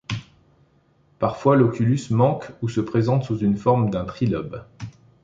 Parfois l'oculus manque ou se présente sous la forme d'un trilobe.